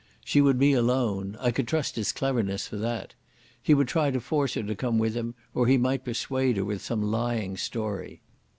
She would be alone—I could trust his cleverness for that; he would try to force her to come with him, or he might persuade her with some lying story.